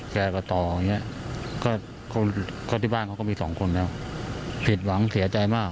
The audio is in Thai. ก็ที่บ้านเขาก็มี๒คนแล้วผิดหวังเสียใจมาก